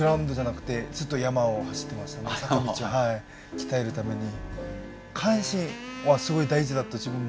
鍛えるために。